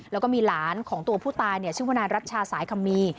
แล้วก็มีหลานของตัวผู้ตายชื่อวนายรัชชาสายคำมี